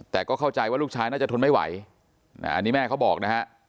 แต่ก็เข้าใจว่าลูกชายน่าจะทนไม่ไหวอันนี้แม่เขาบอกนะฮะ